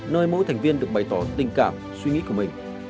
nơi mỗi thành viên được bày tỏ tình cảm suy nghĩ của mình